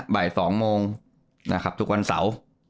บ่าย๒โมงนะครับทุกวันเสาร์